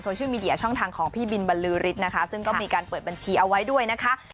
ชื่อมีเดียช่องทางของพี่บินบรรลือฤทธิ์นะคะซึ่งก็มีการเปิดบัญชีเอาไว้ด้วยนะคะ